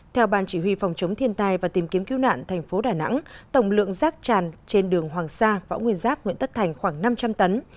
theo ban chỉ huy phòng chống thiên tai và tìm kiếm cứu nạn thành phố đà nẵng tổng lượng rác tràn trên đường hoàng sa võ nguyên giáp nguyễn tất thành khoảng năm trăm linh tấn